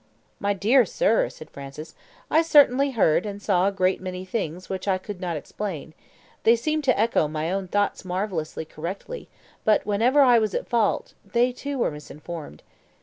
"My dear sir," said Francis, "I certainly heard and saw a great many things which I could not explain. They seemed to echo my own thoughts marvellously correctly, but whenever I was at fault, they, too, were misinformed.